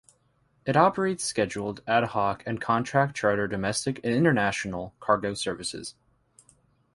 It operates scheduled, ad hoc and contract charter domestic and international cargo services.